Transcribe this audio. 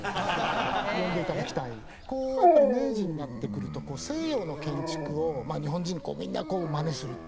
こうやっぱり明治になってくると西洋の建築を日本人みんなマネする。